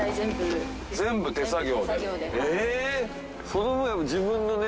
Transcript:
その分自分のね。